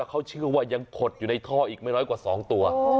เขาเชื่อว่ายังขดอยู่ในท่ออีกไม่น้อยกว่า๒ตัว